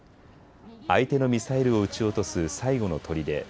相手のミサイルを撃ち落とす最後のとりで、